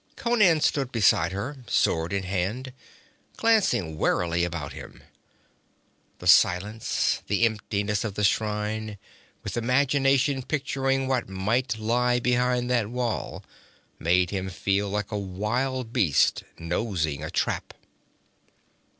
Conan stood beside her, sword in hand, glancing warily about him. The silence, the emptiness of the shrine, with imagination picturing what might lie behind that wall, made him feel like a wild beast nosing a trap.